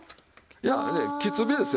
いやきつ火ですよ。